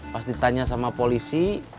pas ditanya sama polisi